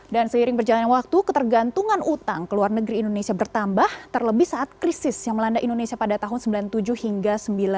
dan seiring berjalan waktu ketergantungan utang ke luar negeri indonesia bertambah terlebih saat krisis yang melanda indonesia pada tahun sembilan puluh tujuh hingga sembilan puluh delapan